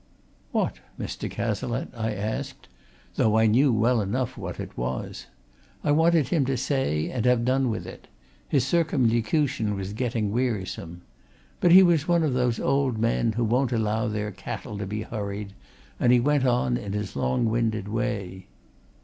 "What, Mr. Cazalette?" I asked, though I knew well enough what it was. I wanted him to say, and have done with it; his circumlocution was getting wearisome. But he was one of those old men who won't allow their cattle to be hurried, and he went on in his long winded way.